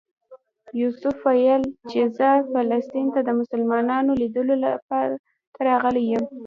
یوسف ویل چې زه فلسطین ته د مسلمانانو لیدلو ته راغلی یم.